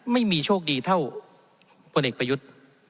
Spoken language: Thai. ไม่มีโชคดีเท่าพลเอกประยุทธ์